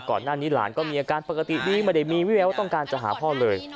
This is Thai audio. ก่อนหน้านี้หลานก็มีอาการปกติดีไม่ได้มีวิแววต้องการจะหาพ่อเลย